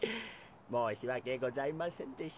もうしわけございませんでした。